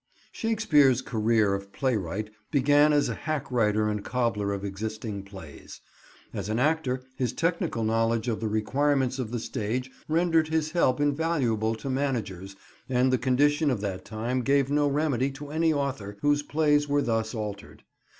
Shakespeare's career of playwright began as a hack writer and cobbler of existing plays. As an actor his technical knowledge of the requirements of the stage rendered his help invaluable to managers, and the conditions of that time gave no remedy to any author whose plays were thus altered.